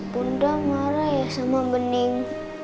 bunda marah ya sama bening